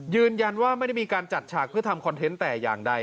ยืนยันว่าไม่ได้มีการจัดฉากเพื่อทำคอนเทนต์แต่อย่างใด